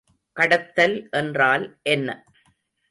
கடத்தல் என்றால் என்ன?